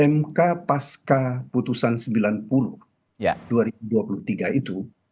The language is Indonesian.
mk pasca putusan sembilan puluh dua ribu dua puluh tiga itu